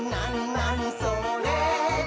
なにそれ？」